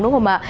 đúng không ạ